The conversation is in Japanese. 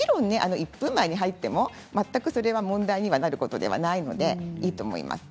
１分前に入っても全くそれは問題にはなることではないのでいいと思います。